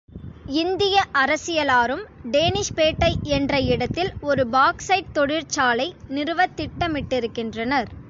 இந்திய அரசியலாரும் டேனிஷ்பேட்டை என்ற இடத்தில் ஒரு பாக்சைட் தொழிற்சாலை நிறுவத் திட்டமிட்டிருக்கின்றனர்.